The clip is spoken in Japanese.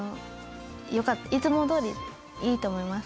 いつもどおりいいと思います。